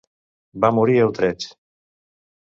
Va morir a Utrecht.